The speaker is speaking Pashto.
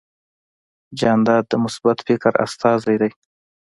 جانداد د مثبت فکر استازی دی.